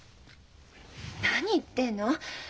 何言ってんの？